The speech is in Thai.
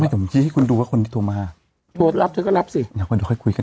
ผมชี้ให้คุณดูว่าคนที่โทรมาโทรรับเธอก็รับสิเดี๋ยวค่อยคุยกัน